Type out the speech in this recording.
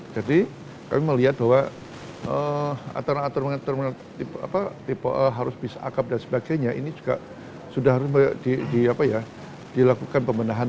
jadi kami melihat bahwa aturan aturan terminal tipe harus bis akap dan sebagainya ini juga sudah harus dilakukan pemenahan